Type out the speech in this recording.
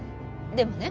でもね